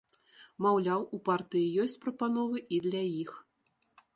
Маўляў, у партыі ёсць прапановы і для іх.